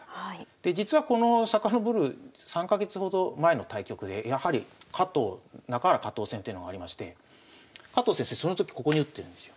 で実はこの遡る３か月ほど前の対局でやはり中原加藤戦というのがありまして加藤先生その時ここに打ってるんですよ。